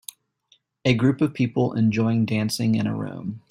A group of people enjoying dancing in a room.